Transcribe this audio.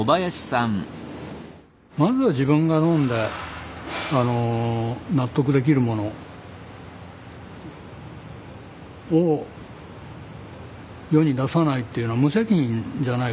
まずは自分が飲んで納得できるものを世に出さないっていうのは無責任じゃないかと。